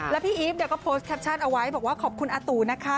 แล้วพี่อีฟเนี่ยก็โพสต์แคปชั่นเอาไว้บอกว่าขอบคุณอาตูนะคะ